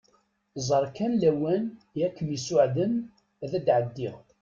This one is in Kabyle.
Ẓer kan lawan i akem-isuɛden ad d-ɛeddiɣ.